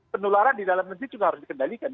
penularan di dalam negeri juga harus dikendalikan